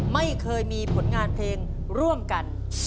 ไม่เคยมีผลงานเพลงร่วมกัน